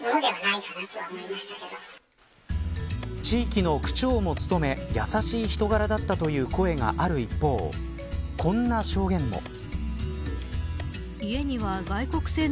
地域の区長も務め優しい人柄だったという声がある一方こんな証言も。